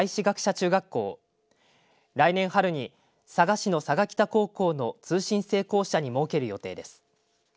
中学校来年春に佐賀市の佐賀北高校の通信制校舎に設ける予定です。